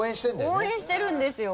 応援してるんですよ